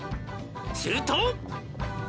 「すると」